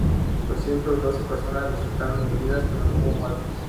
Doscientas doce personas resultaron heridas, pero no hubo muertos.